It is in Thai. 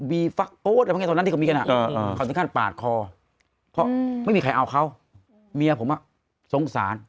บีฟักโต๊ดอะไรพวกนั้นที่เขามีกัน